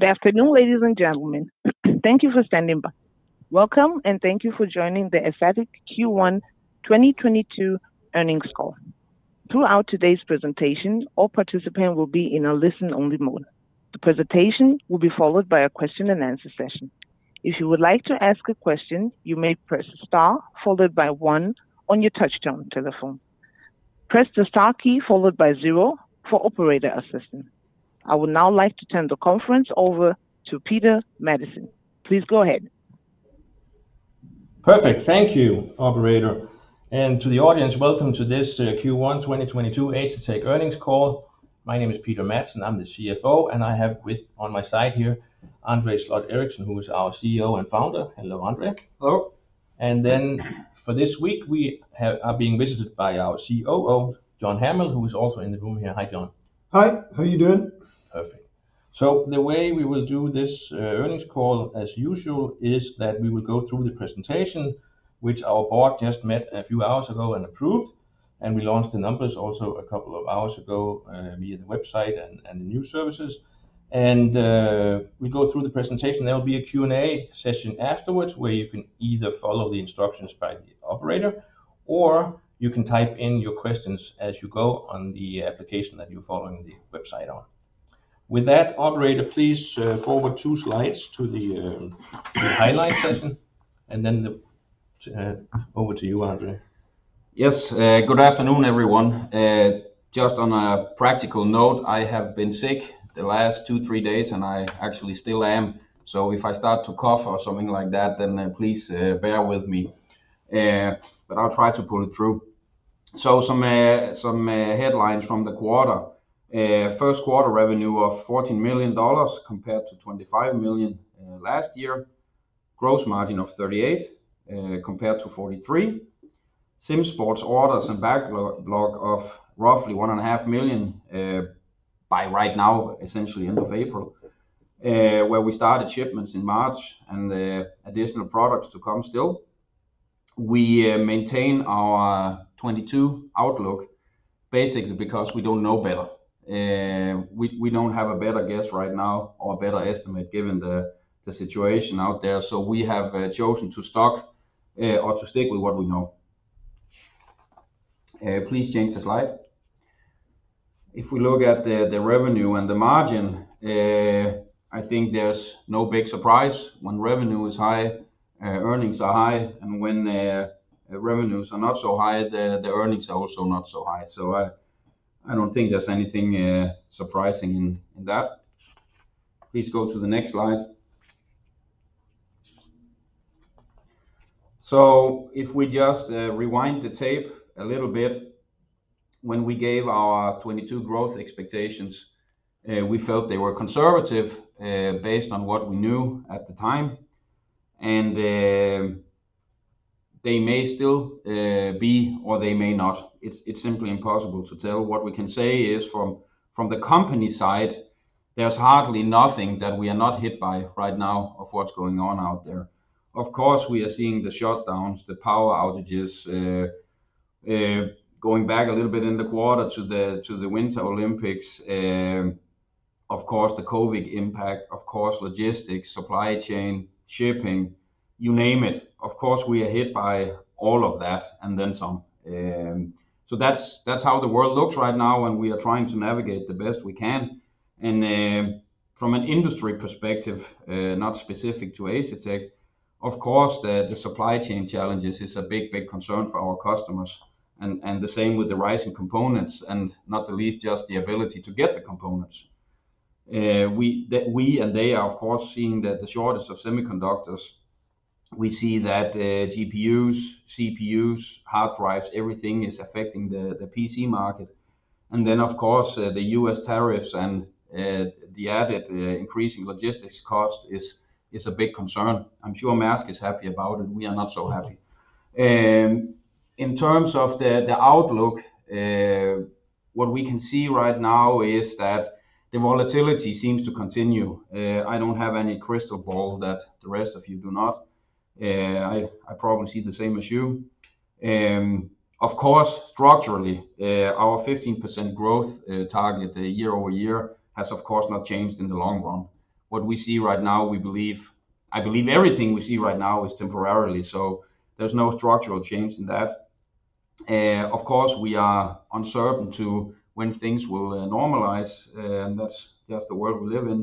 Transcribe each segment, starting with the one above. Good afternoon, ladies and gentlemen. Thank you for standing by. Welcome, and thank you for joining the Asetek Q1 2022 earnings call. Throughout today's presentation, all participants will be in a listen-only mode. The presentation will be followed by a question-and-answer session. If you would like to ask a question, you may press star followed by 1 on your touch-tone telephone. Press the star key followed by zero for operator assistance. I would now like to turn the conference over to Peter Madsen. Please go ahead. Perfect. Thank you, operator. To the audience, welcome to this Q1 2022 Asetek earnings call. My name is Peter Madsen. I'm the CFO, and I have on my side here André Sloth Eriksen, who is our CEO and founder. Hello, André. Hello. For this week, we are being visited by our COO, John Hamill, who is also in the room here. Hi, John. Hi. How you doing? Perfect. The way we will do this earnings call as usual is that we will go through the presentation which our board just met a few hours ago and approved, and we launched the numbers also a couple of hours ago via the website and the new services. We go through the presentation. There will be a Q&A session afterwards where you can either follow the instructions by the operator or you can type in your questions as you go on the application that you're following the website on. With that, operator, please, forward 2 slides to the highlight session, and then over to you, André. Yes. Good afternoon, everyone. Just on a practical note, I have been sick the last 2, 3 days, and I actually still am. If I start to cough or something like that, then please bear with me. I'll try to pull it through. Some headlines from the quarter. Q1 revenue of $14 million compared to $25 million last year. Grross margin of 38% compared to 43%. SimSports orders and backlog of roughly $1.5 million by right now, essentially end of April, where we started shipments in March and the additional products to come still. We maintain our 2022 outlook basically because we don't know better. We don't have a better guess right now or a better estimate given the situation out there, so we have chosen to stick with what we know. Please change the slide. If we look at the revenue and the margin, I think there's no big surprise. When revenue is high, earnings are high, and when revenues are not so high, the earnings are also not so high. I don't think there's anything surprising in that. Please go to the next slide. If we just rewind the tape a little bit, when we gave our 2022 growth expectations, we felt they were conservative based on what we knew at the time, and they may still be or they may not. It's simply impossible to tell. What we can say is from the company side, there's hardly nothing that we are not hit by right now of what's going on out there. Of course, we are seeing the shutdowns, the power outages. Going back a little bit in the quarter to the Winter Olympics, of course the COVID impact, of course logistics, supply chain, shipping, you name it. Of course, we are hit by all of that and then some. So that's how the world looks right now, and we are trying to navigate the best we can. From an industry perspective, not specific to Asetek, of course the supply chain challenges is a big concern for our customers and the same with the rise in components and not the least just the ability to get the components. We That we and they are of course seeing the shortage of semiconductors. We see that GPUs, CPUs, hard drives, everything is affecting the PC market. Of course, the U.S. tariffs and the added increasing logistics cost is a big concern. I'm sure Maersk is happy about it. We are not so happy. In terms of the outlook, what we can see right now is that the volatility seems to continue. I don't have any crystal ball that the rest of you do not. I probably see the same as you. Of course, structurally, our 15% growth target year-over-year has of course not changed in the long run. I believe everything we see right now is temporary, so there's no structural change in that. Of course, we are uncertain as to when things will normalize, and that's the world we live in.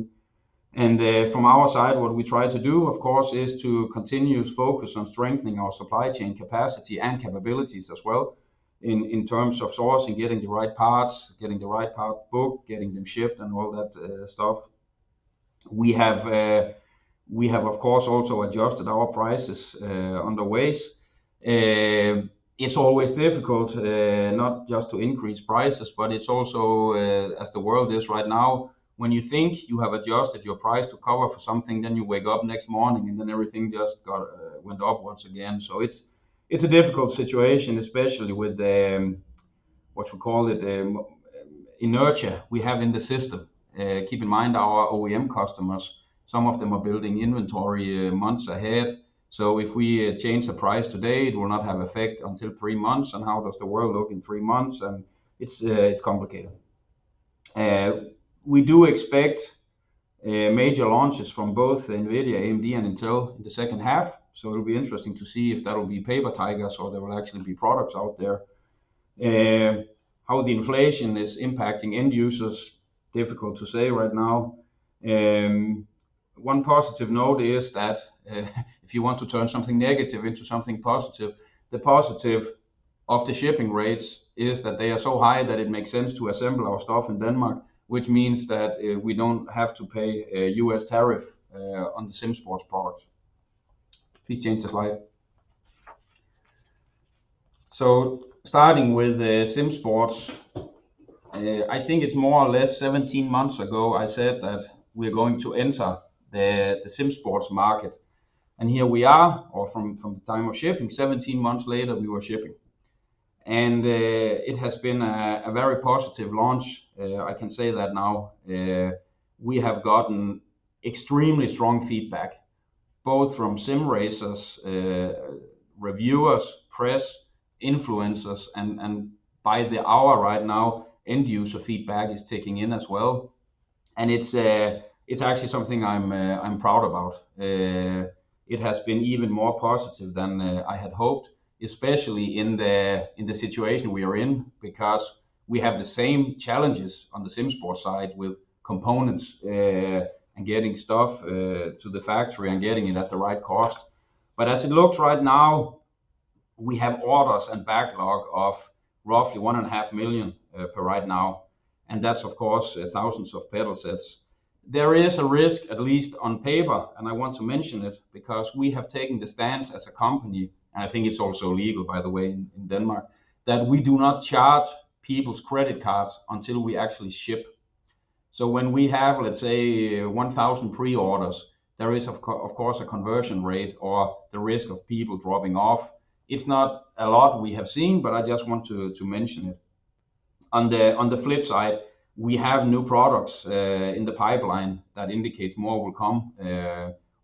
From our side, what we try to do, of course, is to continuously focus on strengthening our supply chain capacity and capabilities as well in terms of sourcing, getting the right parts, getting the right part booked, getting them shipped and all that stuff. We have of course also adjusted our prices along the way. It's always difficult, not just to increase prices, but it's also, as the world is right now, when you think you have adjusted your price to cover for something, then you wake up next morning, and then everything just went up once again. It's a difficult situation, especially with the, what you call it, inertia we have in the system. Keep in mind our OEM customers. Some of them are building inventory, months ahead. If we change the price today, it will not have effect until three months. How does the world look in three months? It's complicated. We do expect major launches from both NVIDIA, AMD, and Intel in the second half, so it'll be interesting to see if that'll be paper tigers or there will actually be products out there. How the inflation is impacting end users, difficult to say right now. One positive note is that, if you want to turn something negative into something positive, the positive of the shipping rates is that they are so high that it makes sense to assemble our stuff in Denmark, which means that, we don't have to pay a U.S. tariff, on the SimSports products. Please change the slide. Starting with SimSports, I think it's more or less 17 months ago, I said that we're going to enter the SimSports market, and here we are. Or from the time of shipping, 17 months later we were shipping. It has been a very positive launch. I can say that now. We have gotten extremely strong feedback, both from sim racers, reviewers, press, influencers, and by the hour right now, end user feedback is ticking in as well, and it's actually something I'm proud about. It has been even more positive than I had hoped, especially in the situation we are in, because we have the same challenges on the SimSports side with components and getting stuff to the factory and getting it at the right cost. As it looks right now, we have orders and backlog of roughly $1.5 million year right now, and that's of course thousands of pedal sets. There is a risk, at least on paper, and I want to mention it because we have taken the stance as a company, and I think it's also legal, by the way, in Denmark, that we do not charge people's credit cards until we actually ship. So when we have, let's say, 1,000 pre-orders, there is of course, a conversion rate or the risk of people dropping off. It's not a lot we have seen, but I just want to mention it. On the flip side, we have new products in the pipeline that indicates more will come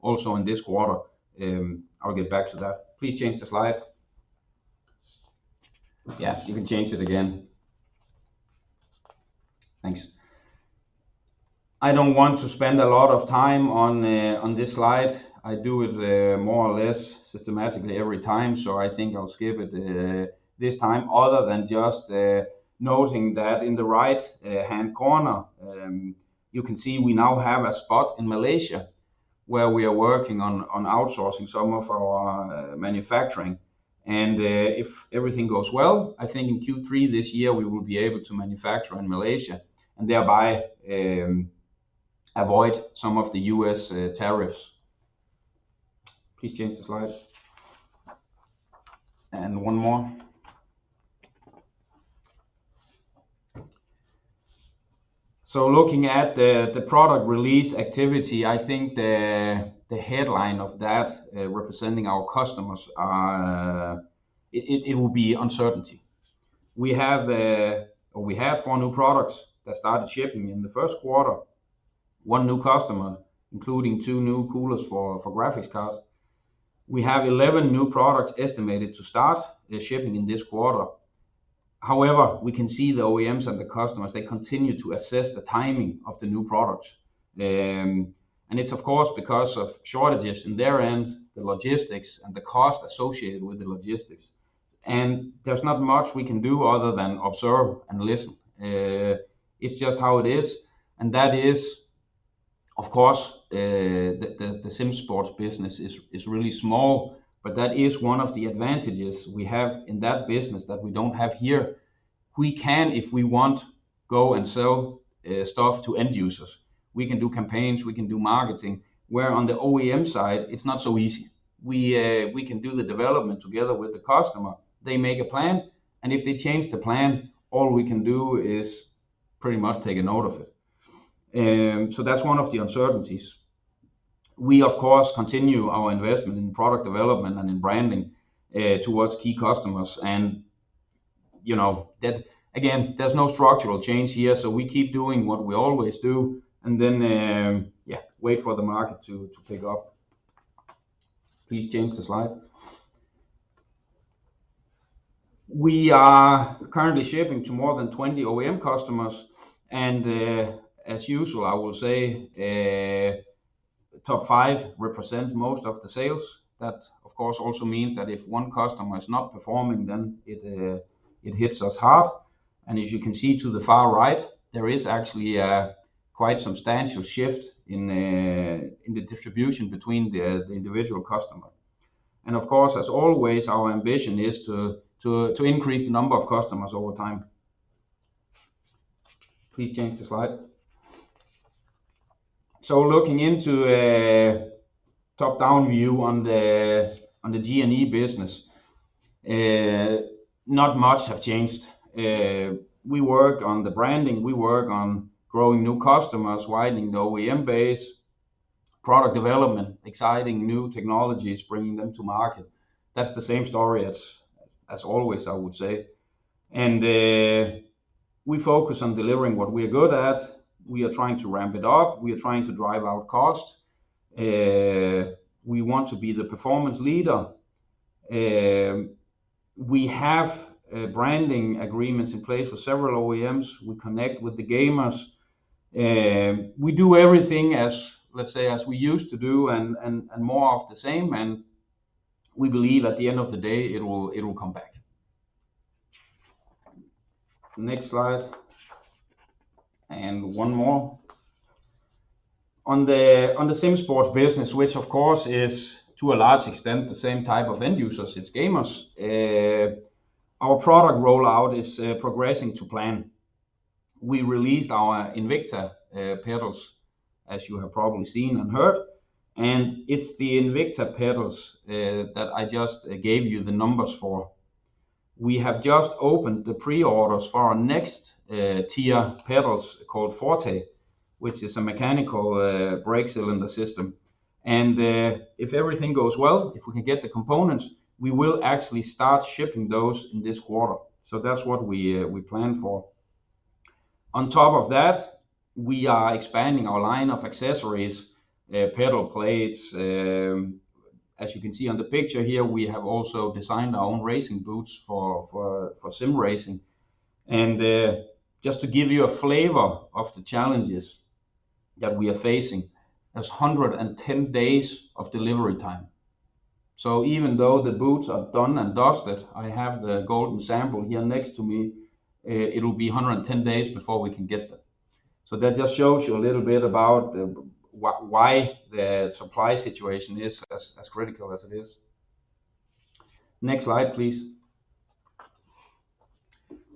also in this quarter. I'll get back to that. Please change the slide. Yeah, you can change it again. Thanks. I don't want to spend a lot of time on this slide. I do it more or less systematically every time, so I think I'll skip it this time other than just noting that in the right hand corner you can see we now have a spot in Malaysia where we are working on outsourcing some of our manufacturing. If everything goes well, I think in Q3 this year we will be able to manufacture in Malaysia and thereby avoid some of the U.S. tariffs. Please change the slide. One more. Looking at the product release activity, I think the headline of that, representing our customers, it will be uncertainty. We have or we had four new products that started shipping in the Q1. 1 new customer, including 2 new coolers for graphics cards. We have 11 new products estimated to start the shipping in this quarter. However, we can see the OEMs and the customers. They continue to assess the timing of the new products. It's of course because of shortages on their end, the logistics and the cost associated with the logistics. There's not much we can do other than observe and listen. It's just how it is. That is, of course, the SimSports business is really small, but that is one of the advantages we have in that business that we don't have here. We can, if we want, go and sell stuff to end users. We can do campaigns. We can do marketing, where on the OEM side it's not so easy. We can do the development together with the customer. They make a plan, and if they change the plan, all we can do is pretty much take a note of it. That's one of the uncertainties. We of course continue our investment in product development and in branding towards key customers. You know that again, there's no structural change here, so we keep doing what we always do and then wait for the market to pick up. Please change the slide. We are currently shipping to more than 20 OEM customers, and as usual, I will say, top five represent most of the sales. That of course also means that if 1 customer is not performing, then it hits us hard. As you can see to the far right, there is actually a quite substantial shift in the distribution between the individual customer. Of course, as always, our ambition is to increase the number of customers over time. Please change the slide. Looking into a top-down view on the G&E business, not much have changed. We work on the branding. We work on growing new customers, widening the OEM base, product development, exciting new technologies, bringing them to market. That's the same story as always, I would say. We focus on delivering what we are good at. We are trying to ramp it up. We are trying to drive out cost. We want to be the performance leader. We have branding agreements in place with several OEMs. We connect with the gamers. We do everything as, let's say, as we used to do and more of the same. We believe at the end of the day, it will come back. Next slide. One more. On the SimSports business, which of course is to a large extent the same type of end users, it's gamers, our product rollout is progressing to plan. We released our Invicta pedals, as you have probably seen and heard, and it's the Invicta pedals that I just gave you the numbers for. We have just opened the pre-orders for our next tier pedals called Forte, which is a mechanical brake cylinder system. If everything goes well, if we can get the components, we will actually start shipping those in this quarter. That's what we plan for. On top of that, we are expanding our line of accessories, pedal plates. As you can see on the picture here, we have also designed our own racing boots for sim racing. Just to give you a flavor of the challenges that we are facing, that's 110 days of delivery time. Even though the boots are done and dusted, I have the golden sample here next to me, it'll be 110 days before we can get them. That just shows you a little bit about why the supply situation is as critical as it is. Next slide, please.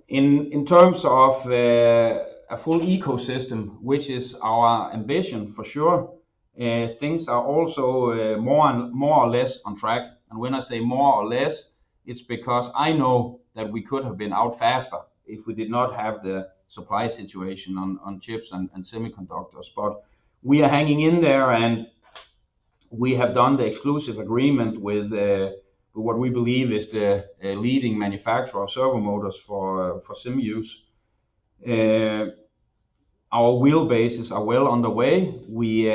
In terms of a full ecosystem, which is our ambition for sure, things are also more or less on track. When I say more or less, it's because I know that we could have been out faster if we did not have the supply situation on chips and semiconductors. We are hanging in there, and we have done the exclusive agreement with what we believe is the leading manufacturer of servo motors for sim use. Our wheelbases are well on the way. We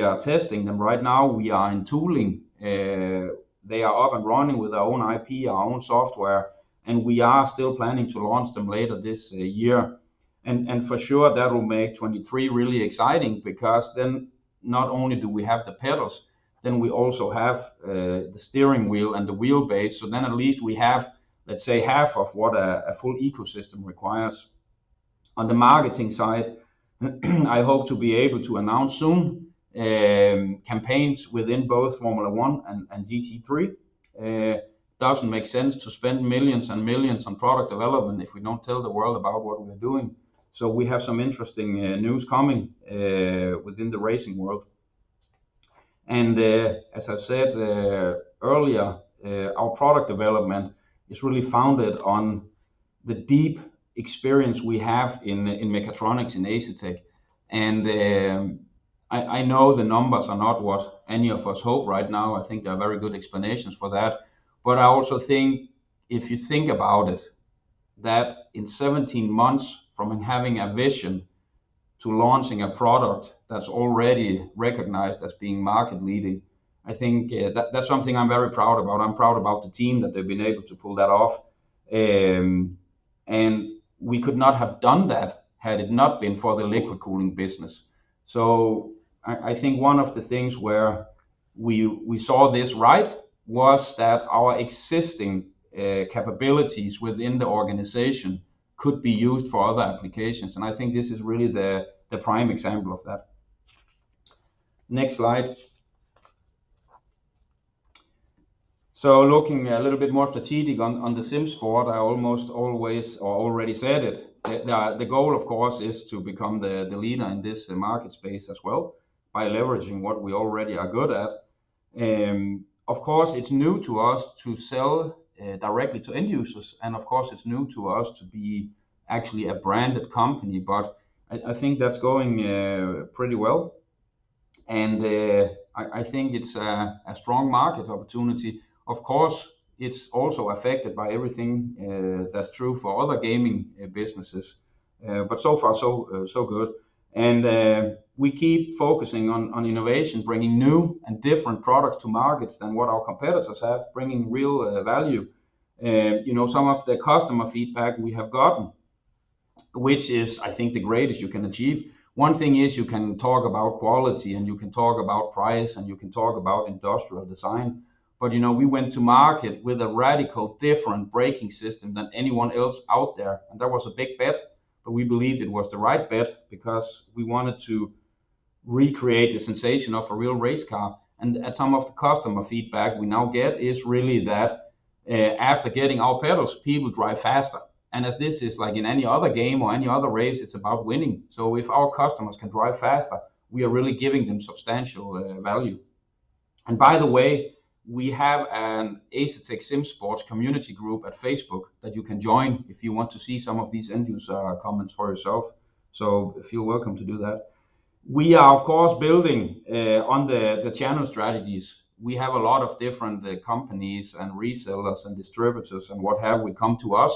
are testing them right now. We are in tooling. They are up and running with our own IP, our own software, and we are still planning to launch them later this year. For sure, that will make 2023 really exciting because then not only do we have the pedals, then we also have the steering wheel and the wheelbase. At least we have, let's say, half of what a full ecosystem requires. On the marketing side, I hope to be able to announce soon campaigns within both Formula 1 and GT3. Doesn't make sense to spend millions and millions on product development if we don't tell the world about what we are doing. We have some interesting news coming within the racing world. As I've said earlier, our product development is really founded on the deep experience we have in mechatronics in Asetek. I know the numbers are not what any of us hope right now. I think there are very good explanations for that. I also think if you think about it, that in 17 months from having a vision to launching a product that's already recognized as being market leading, I think, that's something I'm very proud about. I'm proud about the team, that they've been able to pull that off. We could not have done that had it not been for the liquid cooling business. I think one of the things where we saw this right was that our existing capabilities within the organization could be used for other applications, and I think this is really the prime example of that. Next slide. Looking a little bit more strategic on the SimSports, I almost already said it, the goal of course is to become the leader in this market space as well by leveraging what we already are good at. Of course, it's new to us to sell directly to end users, and of course, it's new to us to be actually a branded company, but I think that's going pretty well. I think it's a strong market opportunity. Of course, it's also affected by everything that's true for other gaming businesses. But so far so good. We keep focusing on innovation, bringing new and different products to market than what our competitors have, bringing real value. You know, some of the customer feedback we have gotten, which is, I think, the greatest you can achieve. One thing is you can talk about quality, and you can talk about price, and you can talk about industrial design. You know, we went to market with a radically different braking system than anyone else out there, and that was a big bet. We believed it was the right bet because we wanted to recreate the sensation of a real race car. Some of the customer feedback we now get is really that, after getting our pedals, people drive faster. As this is like in any other game or any other race, it's about winning. If our customers can drive faster, we are really giving them substantial value. By the way, we have an Asetek SimSports community group at Facebook that you can join if you want to see some of these end user comments for yourself. Feel welcome to do that. We are, of course, building on the channel strategies. We have a lot of different companies and resellers and distributors and what have you come to us,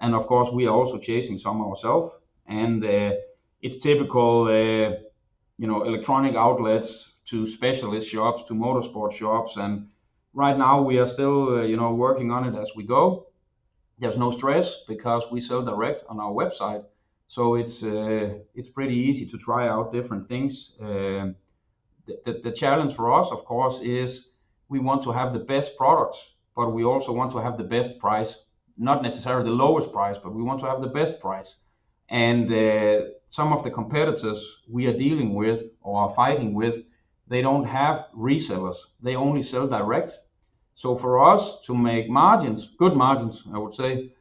and of course, we are also chasing some ourselves. It's typical, you know, electronic outlets to specialist shops, to motorsport shops. Right now we are still, you know, working on it as we go. There's no stress because we sell direct on our website, so it's pretty easy to try out different things. The challenge for us, of course, is we want to have the best products, but we also want to have the best price, not necessarily the lowest price, but we want to have the best price. Some of the competitors we are dealing with or fighting with, they don't have resellers. They only sell direct. For us to make margins, good margins, I would say,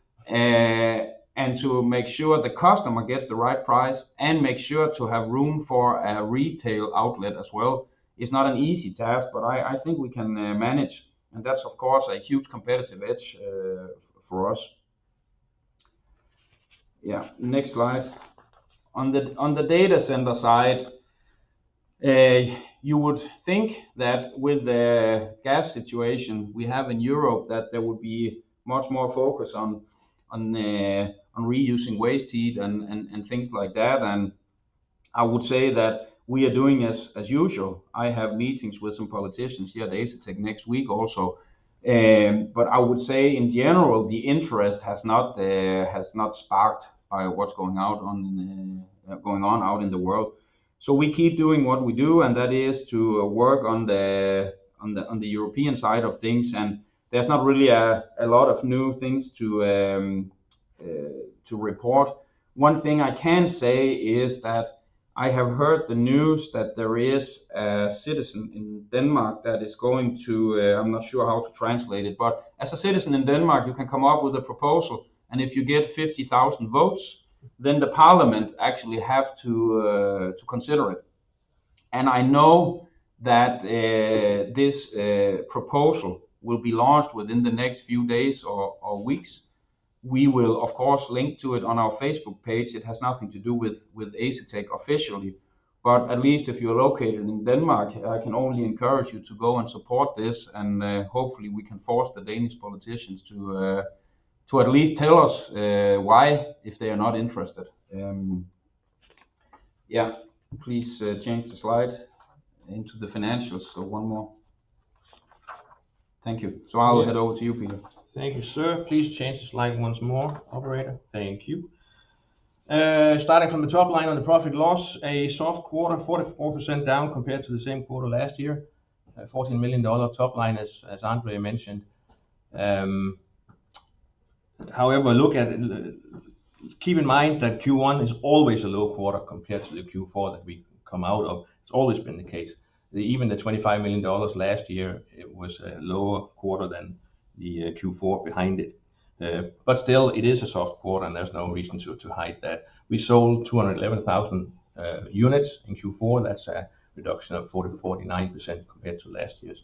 and to make sure the customer gets the right price and make sure to have room for a retail outlet as well, is not an easy task, but I think we can manage. That's of course a huge competitive edge for us. Yeah. Next slide. On the data center side, you would think that with the gas situation we have in Europe, that there would be much more focus on reusing waste heat and things like that. I would say that we are doing as usual. I have meetings with some politicians here at Asetek next week also. I would say in general, the interest has not sparked by what's going on in the world. We keep doing what we do, and that is to work on the European side of things. There's not really a lot of new things to report. One thing I can say is that I have heard the news that there is a citizen in Denmark that is going to, I'm not sure how to translate it, but as a citizen in Denmark, you can come up with a proposal, and if you get 50,000 votes, then the parliament actually have to consider it. I know that this proposal will be launched within the next few days or weeks. We will of course link to it on our Facebook page. It has nothing to do with Asetek officially, but at least if you're located in Denmark, I can only encourage you to go and support this and hopefully we can force the Danish politicians to at least tell us why if they are not interested. Yeah. Please, change the slide to the financials. One more. Thank you. I'll hand over to you, Peter. Thank you, sir. Please change the slide once more, operator. Thank you. Starting from the top line on the P&L, a soft quarter, 44% down compared to the same quarter last year. A $14 million top line as André mentioned. However, keep in mind that Q1 is always a low quarter compared to the Q4 that we come out of. It's always been the case. Even the $25 million last year, it was a lower quarter than the Q4 behind it. Still it is a soft quarter and there's no reason to hide that. We sold 211,000 units in Q4. That's a reduction of 40%-49% compared to last year's.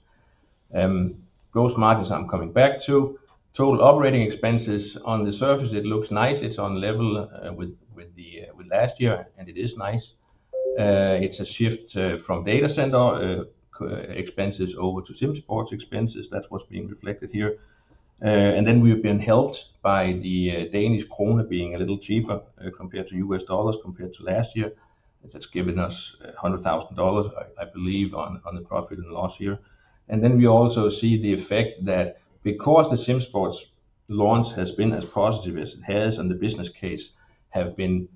Gross margins, I'm coming back to. Total operating expenses on the surface, it looks nice. It's on level with last year, and it is nice. It's a shift from data center expenses over to SimSports expenses. That's what's being reflected here. We've been helped by the Danish krone being a little cheaper compared to US dollars compared to last year. That's given us $100,000, I believe on the profit and loss here. We also see the effect that because the SimSports launch has been as positive as it has and the business case have been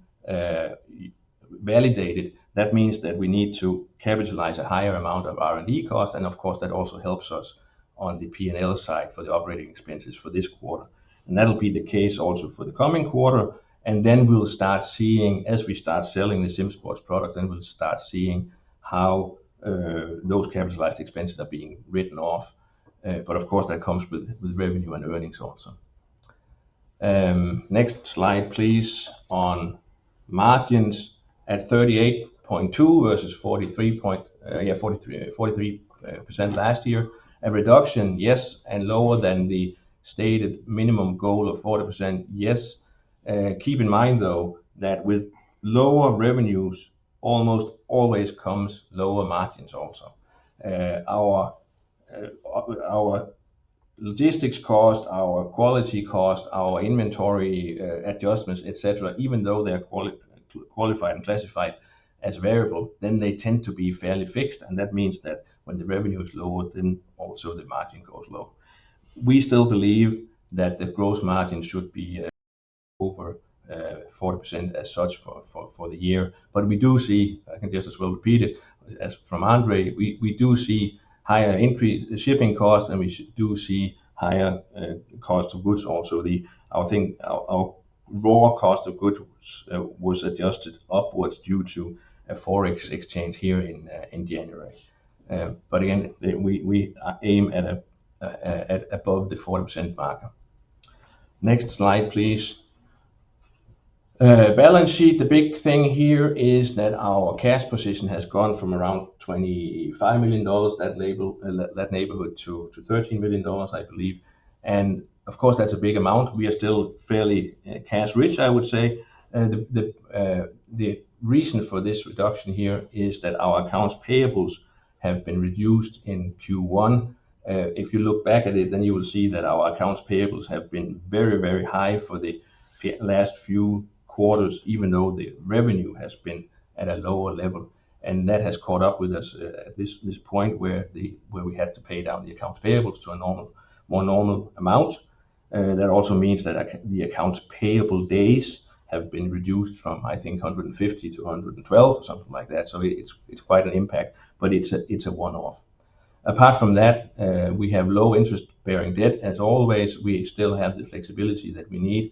validated, that means that we need to capitalize a higher amount of R&D cost. Of course, that also helps us on the P&L side for the operating expenses for this quarter. That'll be the case also for the coming quarter. Then we'll start seeing as we start selling the SimSports product, then we'll start seeing how those capitalized expenses are being written off. But of course, that comes with revenue and earnings also. Next slide, please. On margins at 38.2% versus 43% last year. A reduction, yes, and lower than the stated minimum goal of 40%, yes. Keep in mind though, that with lower revenues almost always comes lower margins also. Our logistics cost, our quality cost, our inventory adjustments, et cetera, even though they're qualified and classified as variable, then they tend to be fairly fixed, and that means that when the revenue is lower, then also the margin goes low. We still believe that the gross margin should be over 40% as such for the year. We do see, I can just as well repeat it as from André, we do see higher increased shipping costs and we do see higher cost of goods also. I think our raw cost of goods was adjusted upwards due to a Forex exchange here in January. We aim at above the 40% marker. Next slide, please. Balance sheet. The big thing here is that our cash position has gone from around $25 million, that neighborhood to $13 million, I believe. Of course, that's a big amount. We are still fairly cash rich, I would say. The reason for this reduction here is that our accounts payables have been reduced in Q1. If you look back at it, then you will see that our accounts payables have been very high for the last few quarters, even though the revenue has been at a lower level. That has caught up with us at this point where we had to pay down the accounts payables to a more normal amount. That also means that the accounts payable days have been reduced from, I think, 150 to 112 or something like that. It's quite an impact, but it's a one-off. Apart from that, we have low interest-bearing debt. As always, we still have the flexibility that we need.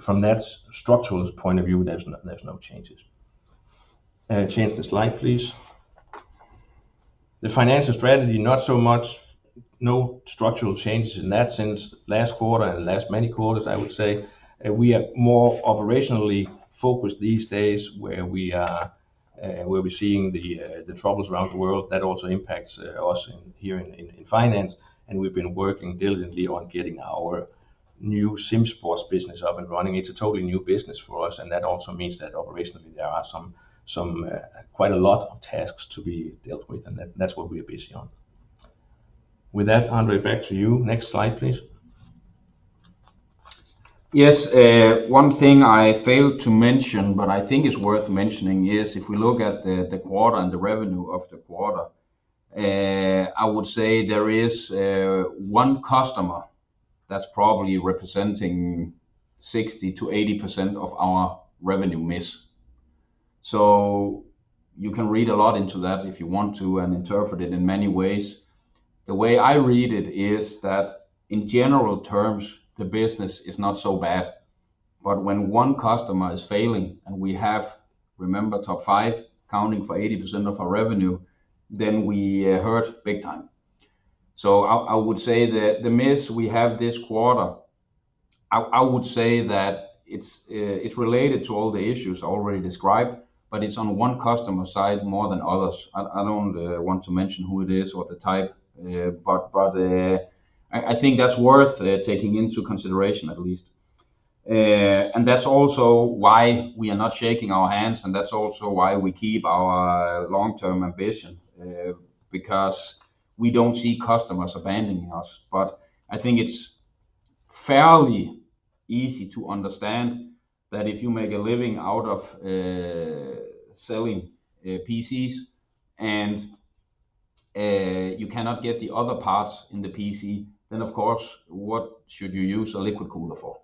From that structural point of view, there's no changes. Change the slide, please. The financial strategy, not so much. No structural changes in that since last quarter and the last many quarters, I would say. We are more operationally focused these days where we're seeing the troubles around the world. That also impacts us here in finance. We've been working diligently on getting our new SimSports business up and running. It's a totally new business for us, and that also means that operationally there are some quite a lot of tasks to be dealt with, and that's what we are busy on. With that, André, back to you. Next slide, please. Yes, one thing I failed to mention, but I think is worth mentioning, is if we look at the quarter and the revenue of the quarter, I would say there is 1 customer that's probably representing 60%-80% of our revenue miss. You can read a lot into that if you want to, and interpret it in many ways. The way I read it is that in general terms, the business is not so bad. When 1 customer is failing and we have, remember top five accounting for 80% of our revenue, then we hurt big time. I would say the miss we have this quarter, I would say that it's it's related to all the issues already described, but it's on 1 customer side more than others. I don't want to mention who it is or the type, but I think that's worth taking into consideration at least. That's also why we are not shaking hands, and that's also why we keep our long-term ambition because we don't see customers abandoning us. I think it's fairly easy to understand that if you make a living out of selling PCs and you cannot get the other parts in the PC, then of course, what should you use a liquid cooler for?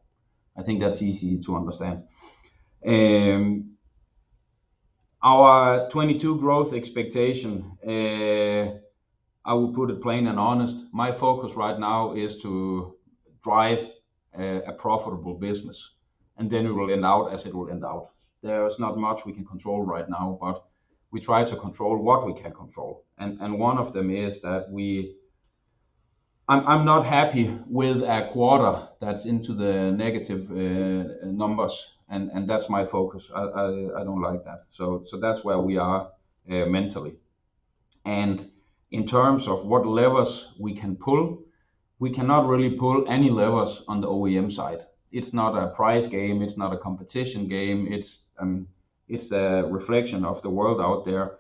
I think that's easy to understand. Our 2022 growth expectation, I will put it plainly and honestly. My focus right now is to drive a profitable business, and then it will end up as it will end up. There is not much we can control right now, but we try to control what we can control. One of them is that I'm not happy with a quarter that's into the negative numbers, and that's my focus. I don't like that. That's where we are mentally. In terms of what levers we can pull, we cannot really pull any levers on the OEM side. It's not a price game. It's not a competition game. It's a reflection of the world out there.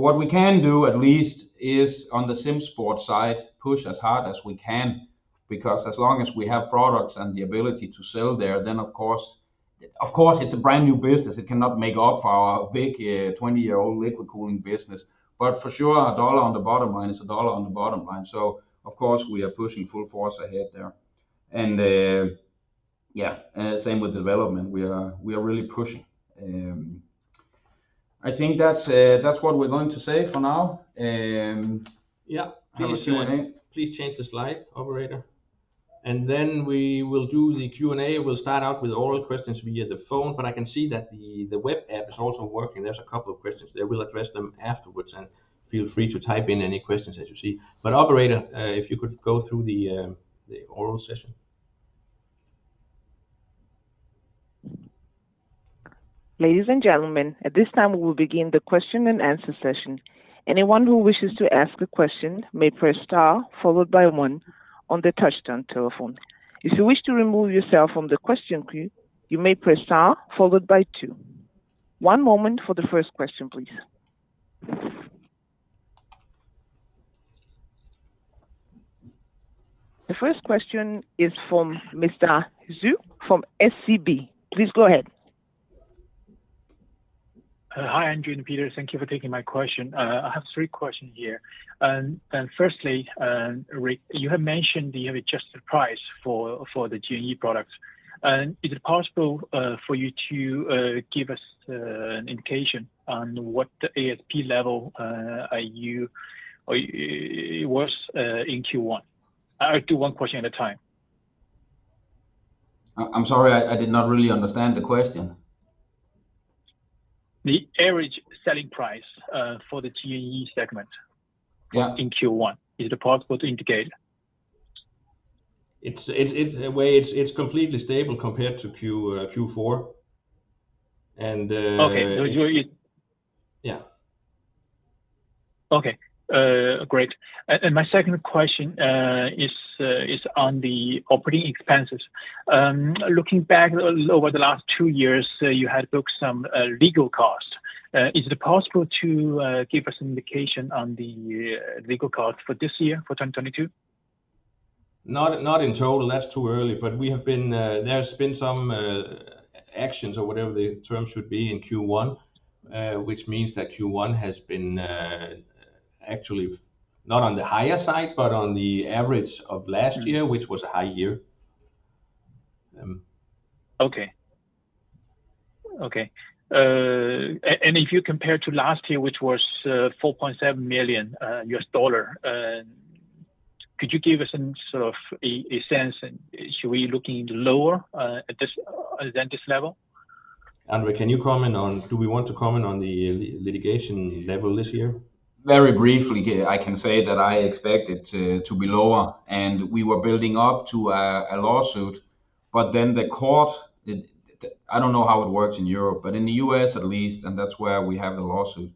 What we can do, at least, is on the SimSports side, push as hard as we can, because as long as we have products and the ability to sell there, then of course. Of course, it's a brand new business. It cannot make up for our big, 20-year-old liquid cooling business. For sure, a dollar on the bottom line is a dollar on the bottom line. Of course, we are pushing full force ahead there. Same with development. We are really pushing. I think that's what we're going to say for now. Have a Q&A. Please change the slide, operator. Then we will do the Q&A. We'll start out with oral questions via the phone, but I can see that the web app is also working. There's a couple of questions there. We'll address them afterwards, and feel free to type in any questions as you see. Operator, if you could go through the oral session. Ladies and gentlemen, at this time we will begin the question and answer session. Anyone who wishes to ask a question may press star followed by 1 on their touchtone telephone. If you wish to remove yourself from the question queue, you may press star followed by 2. One moment for the first question, please. The first question is from Mr. Xu from SCB. Please go ahead. Hi, André and Peter. Thank you for taking my question. I have 3 questions here. Firstly, Rick, you have mentioned you have adjusted price for the G&E products. Is it possible for you to give us an indication on what the ASP level or it was in Q1? I'll do one question at a time. I'm sorry. I did not really understand the question. The average selling price for the G&E segment- Yeah In Q1. Is it possible to indicate? It's in a way it's completely stable compared to Q4. Okay. Yeah Okay. Great. My 2nd question is on the operating expenses. Looking back over the last 2 years, you had booked some legal costs. Is it possible to give us an indication on the legal costs for this year, for 2022? Not in total, that's too early. There's been some actions or whatever the term should be in Q1, which means that Q1 has been actually not on the higher side, but on the average of last year, which was a high year. If you compare to last year, which was $4.7 million, could you give us some sort of a sense, should we looking lower at this level? André, do we want to comment on the litigation level this year? Very briefly here, I can say that I expect it to be lower, and we were building up to a lawsuit, but then the court. I don't know how it works in Europe, but in the US at least, and that's where we have the lawsuit.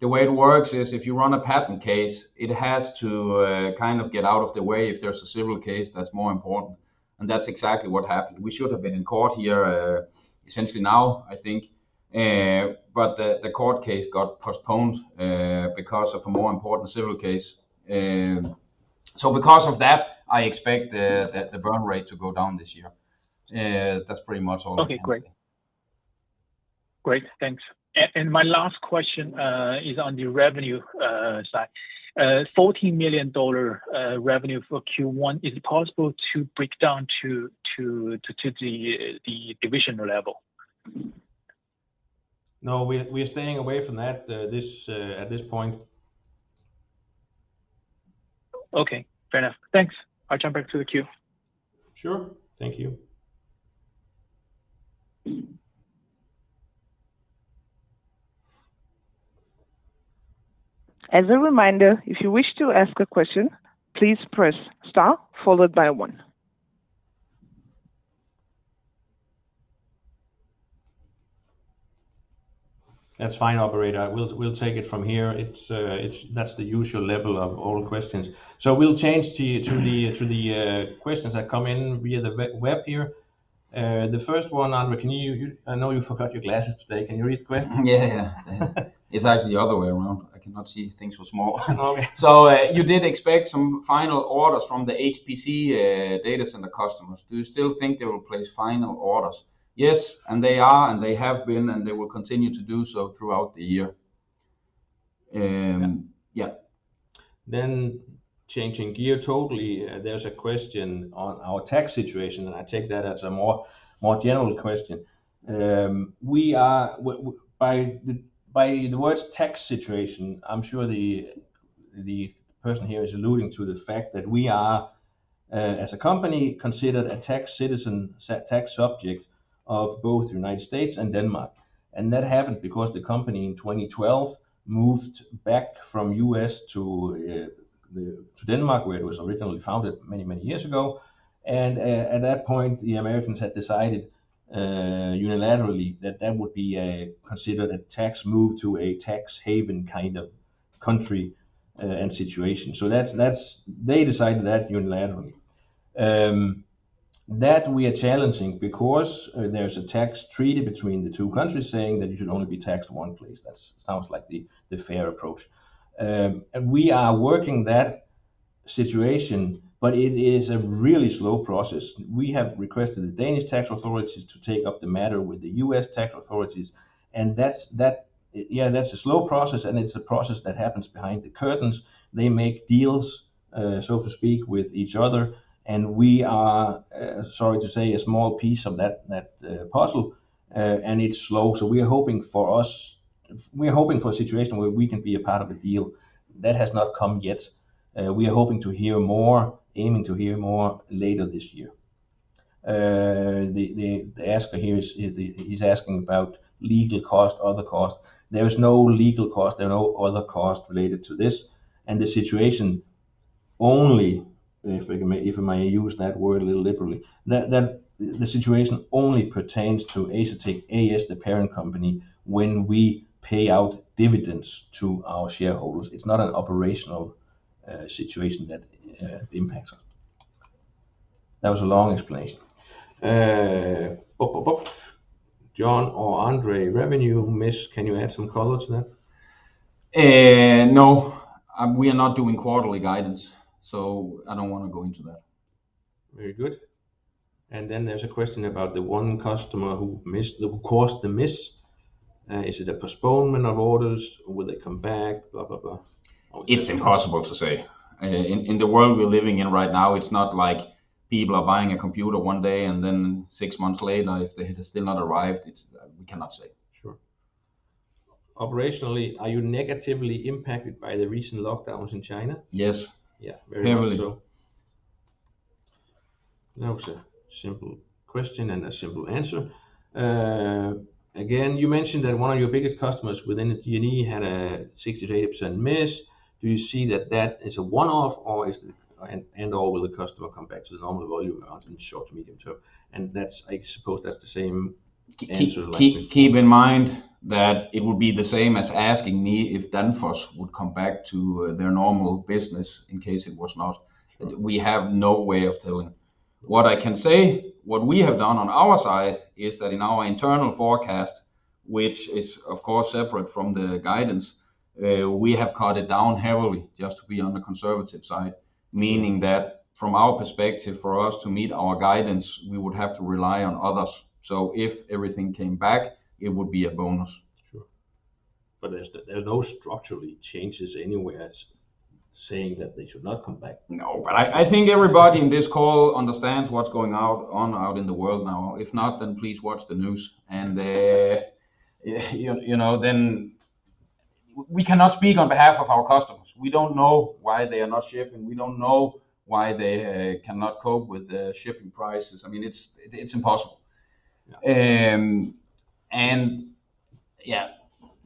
The way it works is if you run a patent case, it has to kind of get out of the way if there's a civil case that's more important, and that's exactly what happened. We should have been in court here essentially now, I think, but the court case got postponed because of a more important civil case. Because of that, I expect the burn rate to go down this year. That's pretty much all I can say. Okay, great. Great. Thanks. My last question is on the revenue side. $14 million revenue for Q1, is it possible to break down to the division level? No. We are staying away from that, this, at this point. Okay. Fair enough. Thanks. I'll jump back to the queue. Sure. Thank you. As a reminder, if you wish to ask a question, please press star followed by one. That's fine, operator. We'll take it from here. That's the usual level of all questions. We'll change to the questions that come in via the web here. The first one, André. I know you forgot your glasses today. Can you read the question? Yeah. It's actually the other way around. I cannot see things so small. Okay. You did expect some final orders from the HPC, data center customers. Do you still think they will place final orders? Yes. They are, and they have been, and they will continue to do so throughout the year. Yeah. Changing gear totally, there's a question on our tax situation, and I take that as a more general question. By the words tax situation, I'm sure the person here is alluding to the fact that we are, as a company, considered a tax citizen, tax subject of both United States and Denmark. That happened because the company in 2012 moved back from U.S. to Denmark, where it was originally founded many years ago. At that point, the Americans had decided unilaterally that that would be considered a tax move to a tax haven kind of country, and situation. They decided that unilaterally. That we are challenging because there's a tax treaty between the 2 countries saying that you should only be taxed one place. That sounds like the fair approach. We are working on that situation, but it is a really slow process. We have requested the Danish tax authorities to take up the matter with the U.S. tax authorities, and that's a slow process, and it's a process that happens behind the curtains. They make deals, so to speak, with each other, and we are sorry to say a small piece of that puzzle. It's slow. We are hoping for a situation where we can be a part of a deal. That has not come yet. We are hoping to hear more, aiming to hear more later this year. The asker here is asking about legal cost, other cost. There is no legal cost and no other cost related to this. The situation only, if I may use that word a little liberally, pertains to Asetek A/S, the parent company, when we pay out dividends to our shareholders. It's not an operational situation that impacts us. That was a long explanation. John or André, revenue miss, can you add some colors there? No. We are not doing quarterly guidance, so I don't want to go into that. Very good. There's a question about the one customer who caused the miss. Is it a postponement of orders? Will they come back? Blah, blah. It's impossible to say. In the world we're living in right now, it's not like people are buying a computer one day and then 6 months later it has still not arrived. We cannot say. Sure. Operationally, are you negatively impacted by the recent lockdowns in China? Yes. Yeah. Very much so. Heavily. That was a simple question and a simple answer. Again, you mentioned that one of your biggest customers within G&E had a 68% miss. Do you see that is a one-off or is it and/or will the customer come back to the normal volume amount in short to medium term? That's, I suppose, that's the same answer like before. Keep in mind that it would be the same as asking me if Danfoss would come back to their normal business in case it was not. Sure. We have no way of telling. What I can say, what we have done on our side is that in our internal forecast, which is of course separate from the guidance, we have cut it down heavily just to be on the conservative side, meaning that from our perspective, for us to meet our guidance, we would have to rely on others. If everything came back, it would be a bonus. Sure. There's no structural changes anywhere saying that they should not come back. No, but I think everybody in this call understands what's going on out in the world now. If not, then please watch the news. You know, we cannot speak on behalf of our customers. We don't know why they are not shipping. We don't know why they cannot cope with the shipping prices. I mean, it's impossible. Yeah. Yeah.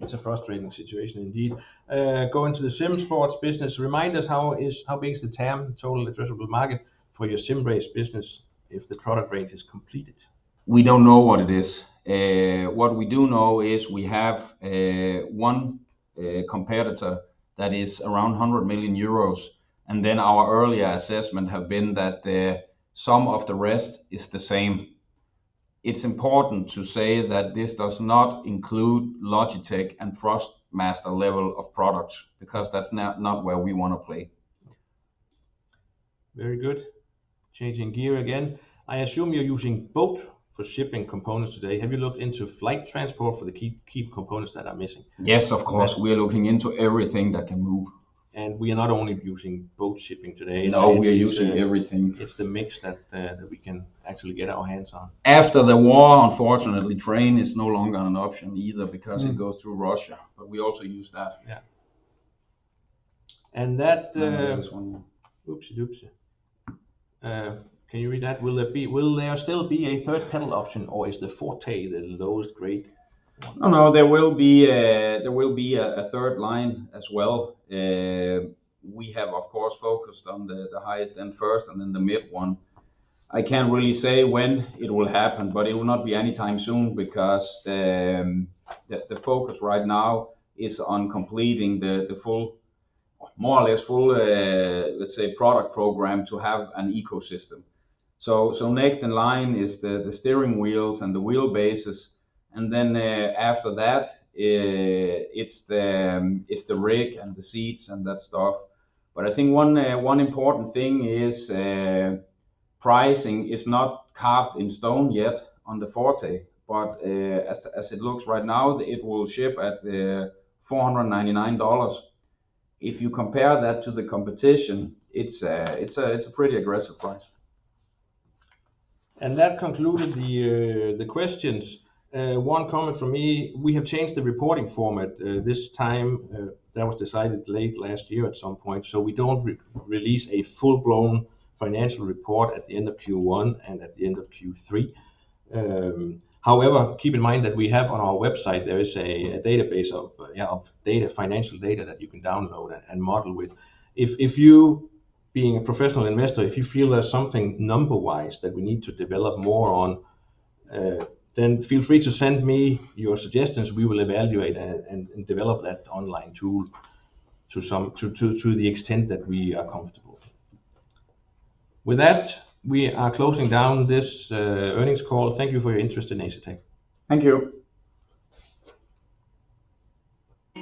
It's a frustrating situation indeed. Going to the SimSports business, remind us how big is the TAM, total addressable market, for your sim racing business if the product range is completed? We don't know what it is. What we do know is we have one competitor that is around 100 million euros, and then our earlier assessment have been that the sum of the rest is the same. It's important to say that this does not include Logitech and Thrustmaster level of products, because that's not where we want to play. Very good. Changing gear again. I assume you're using boat for shipping components today. Have you looked into flight transport for the key components that are missing? Yes, of course. We are looking into everything that can move. We are not only using boat shipping today. No, we are using everything. It's the mix that we can actually get our hands on. After the war, unfortunately, train is no longer an option either. Mm because it goes through Russia, but we also use that. Yeah. There is one more. Oopsie-doopsie. Can you read that? Will there still be a third pedal option, or is the Forte the lowest grade? No, there will be a 3rd line as well. We have of course focused on the highest end first and then the mid one. I can't really say when it will happen, but it will not be anytime soon because the focus right now is on completing the full, more or less full, let's say, product program to have an ecosystem. Next in line is the steering wheels and the wheel bases, and then after that, it's the rig and the seats and that stuff. But I think one important thing is, pricing is not carved in stone yet on the Forte, but as it looks right now, it will ship at $499. If you compare that to the competition, it's a pretty aggressive price. That concluded the questions. One comment from me, we have changed the reporting format this time, that was decided late last year at some point, so we don't re-release a full-blown financial report at the end of Q1 and at the end of Q3. However, keep in mind that we have on our website there is a database of financial data that you can download and model with. If you, being a professional investor, feel there's something number-wise that we need to develop more on, then feel free to send me your suggestions. We will evaluate and develop that online tool to some extent that we are comfortable. With that, we are closing down this earnings call. Thank you for your interest in Asetek. Thank you.